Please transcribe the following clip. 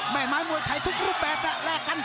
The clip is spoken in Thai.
แม่ไม้มวยถ่ายทุกรูปแบบละแลกกัน